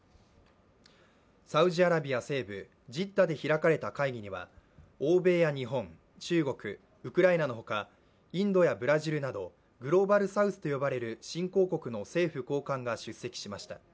サウジアラビア西部ジッダで開かれた会議には、欧米や日本、中国ウクライナのほかインドやブラジルなどグローバルサウスと呼ばれる新興国の政府高官が出席しました。